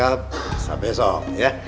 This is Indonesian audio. oh tiga sampai esok ya